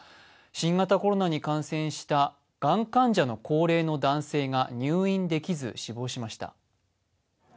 新型コロナに感染したがん患者の高齢の男性が入院できず死亡しました。